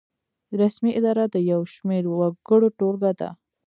رسمي اداره د یو شمیر وګړو ټولګه ده.